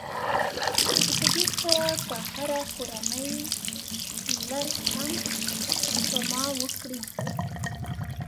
چې په دې سره که هره کورنۍ لږ هم سپما وکړي.